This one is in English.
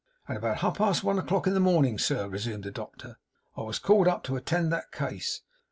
'At about half past one o'clock in the morning, sir,' resumed the doctor, 'I was called up to attend that case.